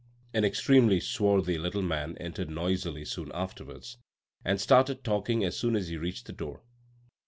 An extremely swarthy little man entered noisily soon afterwards and started talking as soon as he reached the door.